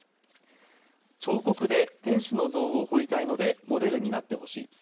彫刻で天使の像を彫りたいのでモデルになってほしい。